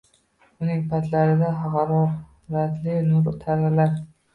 Uning patlaridan haroratli nur taralar